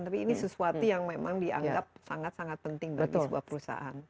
tapi ini sesuatu yang memang dianggap sangat sangat penting bagi sebuah perusahaan